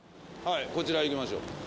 はいこちら行きましょう。